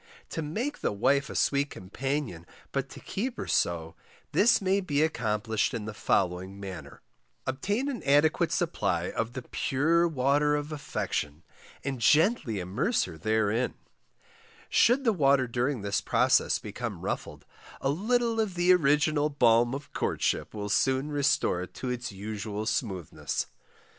To MAKE the wife a sweet companion, but to keep her so, this may be accomplished in the following manner: Obtain an adequate supply of the pure water of affection, and gently immerse her therein: should the water during this process become ruffled, a little of the original balm of courtship will soon restore it to its usual smoothness.